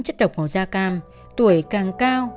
chất độc màu da cam tuổi càng cao